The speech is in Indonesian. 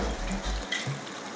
akanlah sudah kuliah